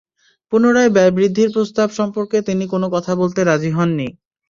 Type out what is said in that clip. পুনরায় ব্যয় বৃদ্ধির প্রস্তাব সম্পর্কে তিনি কোনো কথা বলতে রাজি হননি।